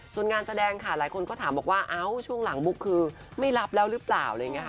ส่วนงานแสดงค่ะหลายคนก็ถามบอกว่าช่วงหลังมุกคือไม่รับแล้วหรือเปล่า